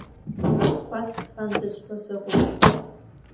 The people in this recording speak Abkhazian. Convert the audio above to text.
Кәацк сфандаз сҳәо сыҟоуп…